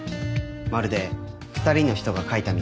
まるで２人の人が書いたみたいに。